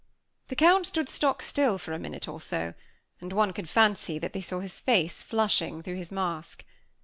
The Count stood stock still for a minute or so; and one could fancy that they saw his face flushing through his mask.